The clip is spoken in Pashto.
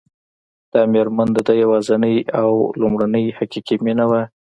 دا مېرمن د ده یوازېنۍ او لومړنۍ حقیقي مینه وه